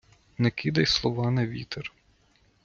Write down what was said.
Не кидай слова на вітер.